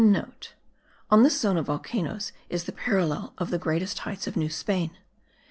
(* On this zone of volcanoes is the parallel of the greatest heights of New Spain.